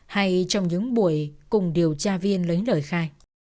hay trong những buổi cùng điều tra viên lấy lời khai